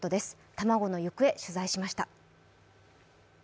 卵の行方、取材しました。